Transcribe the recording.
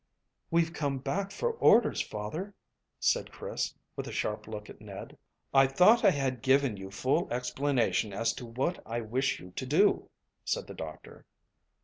"We've come back for orders, father," said Chris, with a sharp look at Ned. "I thought I had given you full explanation as to what I wish you to do," said the doctor.